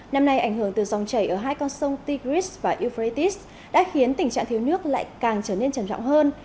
năm nay ảnh hưởng từ dòng chảy ở hai con sông tigris và uprates đã khiến tình trạng thiếu nước lại càng trở nên trần trọng hơn